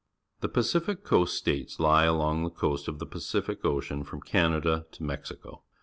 The Pacific Coast States lie along the coast of the Pacific Ocean from Canada to Mexico.